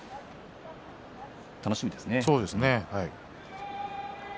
楽しみですね。